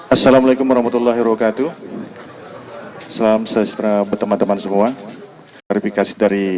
assalamualaikum warahmatullahi wabarakatuh salam sejahtera berteman teman semua verifikasi